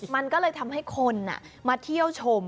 มันก็เลยทำให้คนมาเที่ยวชม